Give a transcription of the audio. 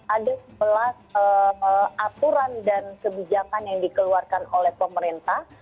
ada sebelas aturan dan kebijakan yang dikeluarkan oleh pemerintah